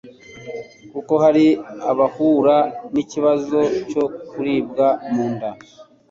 kuko hari abahura n'ikibazo cyo kuribwa mu nda